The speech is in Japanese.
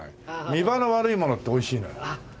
見場の悪いものっておいしいのよ。